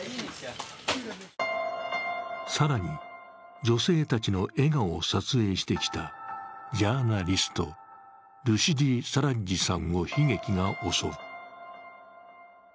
更に女性たちの笑顔を撮影してきたジャーナリストルシディ・サラッジさんを悲劇が襲う。